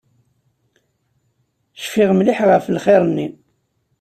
Cfiɣ mliḥ ɣef lxir-nni.